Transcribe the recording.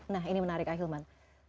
nah ini menarik ahilman